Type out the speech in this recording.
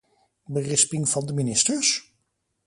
Berisping van de ministers?